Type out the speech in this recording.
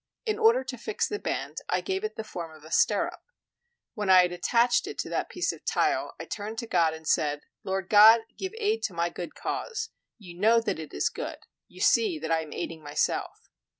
In order to fix the band, I gave it the form of a stirrup. When I had attached it to that piece of tile, I turned to God and said: "Lord God, give aid to my good cause; you know that it is good; you see that I am aiding myself."